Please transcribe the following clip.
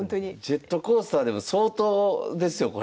ジェットコースターでも相当ですよこれ。